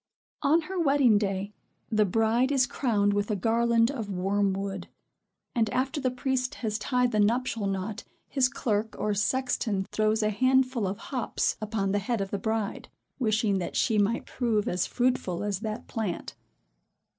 On her wedding day, the bride is crowned with a garland of wormwood; and, after the priest has tied the nuptial knot, his clerk or sexton throws a handful of hops upon the head of the bride, wishing that she might prove as fruitful as that plant.